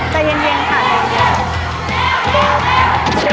ใจเย็นค่ะ